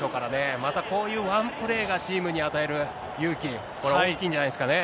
またこういうワンプレーがチームに与える勇気、これ、大きいんじ